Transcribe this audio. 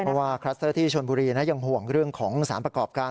เพราะว่าคลัสเตอร์ที่ชนบุรียังห่วงเรื่องของสารประกอบการ